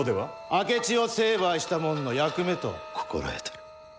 明智を成敗したもんの役目と心得とる。